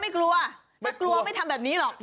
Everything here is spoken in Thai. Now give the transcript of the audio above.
ไม่กลัวไม่กลัวไม่ทำแบบนี้หรอก